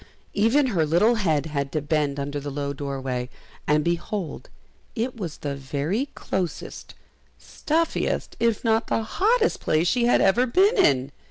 Even her little head had to bend under the low doorway, and behold it was the very closest, stuffiest, if not the hottest place she had ever been in!